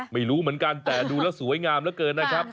ไม่รู้เหมือนกันแต่ดูแล้วสวยงามเหลือเกินนะครับ